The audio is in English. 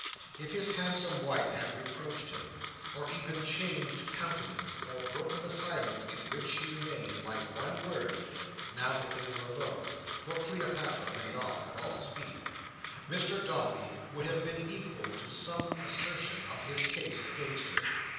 If his handsome wife had reproached him, or even changed countenance, or broken the silence in which she remained, by one word, now that they were alone (for Cleopatra made off with all speed), Mr Dombey would have been equal to some assertion of his case against her.